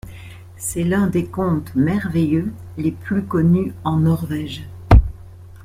C'est l'un des contes merveilleux les plus connus en Norvège.